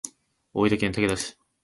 大分県竹田市